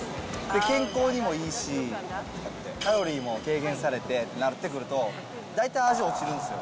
健康にもいいし、カロリーも軽減されてってなってくると、大体味落ちるんですよ。